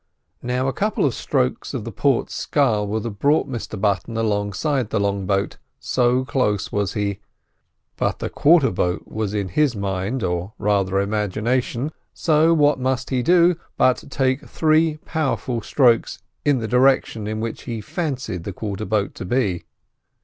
Now a couple of strokes of the port scull would have brought Mr Button alongside the long boat, so close was he; but the quarter boat was in his mind, or rather imagination, so what must he do but take three powerful strokes in the direction in which he fancied the quarter boat to be.